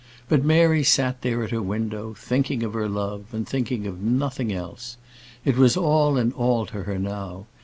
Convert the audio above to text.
But Mary sat there at her window, thinking of her love, and thinking of nothing else. It was all in all to her now.